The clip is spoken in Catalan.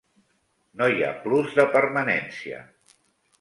No hi ha plus de permanència.